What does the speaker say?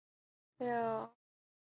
雅典创立。